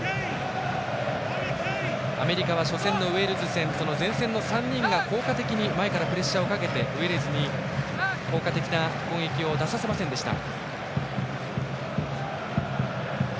アメリカは初戦、ウェールズ戦前線の３人が効果的に前からプレッシャーをかけてウェールズに効果的な攻撃を出させませんでした。